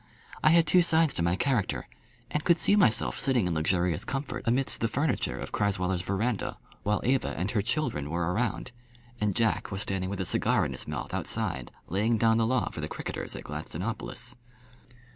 I had two sides to my character, and could see myself sitting in luxurious comfort amidst the furniture of Crasweller's verandah while Eva and her children were around, and Jack was standing with a cigar in his mouth outside laying down the law for the cricketers at Gladstonopolis.